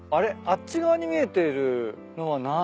あっち側に見えてるのは何？